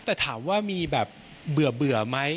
แต่ถามว่ามีแบบเบื่อไหม